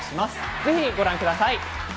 ぜひご覧ください。